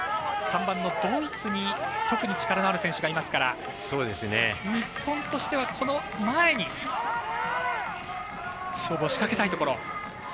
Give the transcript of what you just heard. ３番のドイツに特に力のある選手がいますから日本としては、この前に勝負を仕掛けたいところ。